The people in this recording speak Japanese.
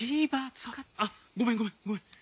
あっごめんごめんごめん。